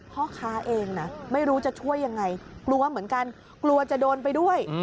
พ่อค้าเองนะไม่รู้จะช่วยยังไงกลัวเหมือนกันกลัวจะโดนไปด้วย